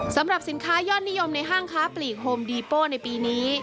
สำหรับสินค้ายอดนิยมในห้างค้าปลีกโฮมดีโป้ในปีนี้